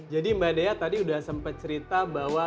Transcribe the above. jadi mbak dea tadi udah sempat cerita bahwa